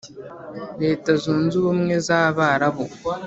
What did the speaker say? Leta Zunze Ubumwe z’Abarabu